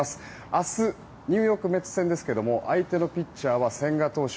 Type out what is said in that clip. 明日ニューヨーク・メッツ戦ですが相手のピッチャーは千賀投手。